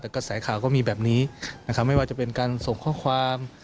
แต่กระแสข่าวก็มีแบบนี้นะครับไม่ว่าจะเป็นการส่งข้อความ